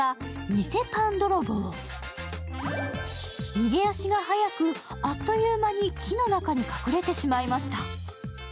逃げ足が早く、あっという間に木の中に隠れてしまいました。